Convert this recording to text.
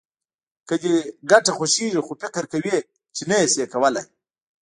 که دې ګټه خوښېږي خو فکر کوې چې نه يې شې کولای.